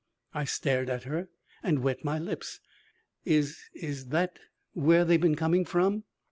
I stared at her and wet my lips. "Is is that where they've been coming from?"